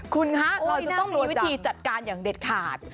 คุณคะเราจะต้องมีวิธีจัดการอย่างเด็ดขาด